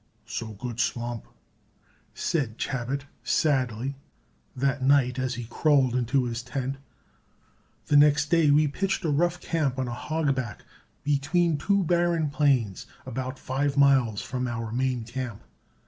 "So good swamp," said Chabot sadly that night as he crawled into his tent. The next day we pitched a rough camp on a hogback between two barren plains, about five miles from our main camp.